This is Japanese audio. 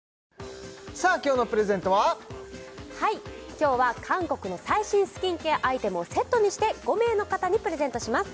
今日は韓国の最新スキンケアアイテムをセットにして５名の方にプレゼントします